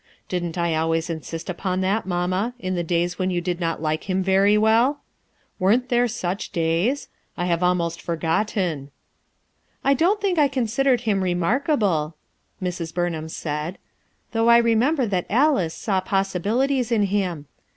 Didn't I always insist upon that, mamma, in the days when you did not like him very well? Weren't there such days? I have almost forgotten." "I don't think I considered him remark able," Mrs. Burnham said, "Though I remem ber that Alice saw possibilities in him.